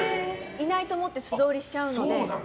いないと思って素通りしちゃうので。